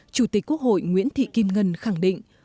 chủ tịch quốc hội nguyễn thị kim ngân khẳng định